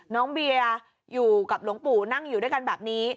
น้องเบียร์อยู่กับหลวงปู่นั่งอยู่ด้วยกันแบบนี้